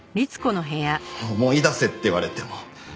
思い出せって言われても。